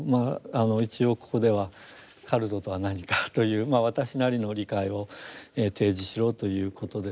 一応ここではカルトとは何かという私なりの理解を提示しろということですので。